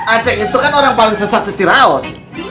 aceh itu kan orang paling sesat secirahos